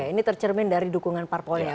ini tercermin dari dukungan parpolnya